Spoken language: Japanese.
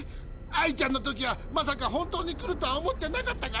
アイちゃんの時はまさか本当に来るとは思ってなかったからさ。